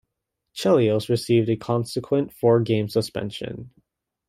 Chelios received a consequent four-game suspension.